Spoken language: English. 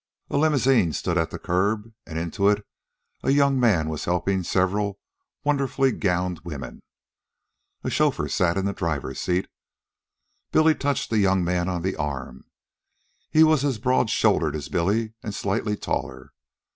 A limousine stood at the curb, and into it a young man was helping several wonderfully gowned women. A chauffeur sat in the driver's sent. Billy touched the young man on the arm. He was as broad shouldered as Billy and slightly taller.